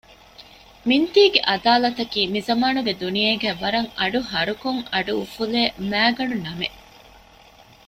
މިންތީގެ އަދާލަތަކީ މިޒަމާނުގެ ދުނިޔޭގައި ވަރަށް އަޑުހަރުކޮށް އަޑުއުފުލޭ މައިގަނޑުނަމެއް